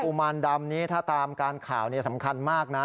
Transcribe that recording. กุมานดำตามการข่าวน่ะสำคัญมากน่ะ